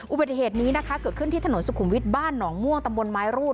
อุบัติเหตุนี้นะคะเกิดขึ้นที่ถนนสุขุมวิทย์บ้านหนองม่วงตำบลไม้รูด